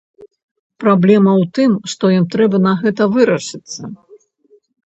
Праблема ў тым, што ім трэба на гэта вырашыцца.